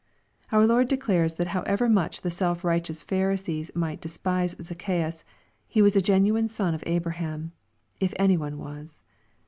Our Lord declares that however much the self righteous Pharisees might despise Zac chaeus, he was a genuine son of Abraham, if any one was.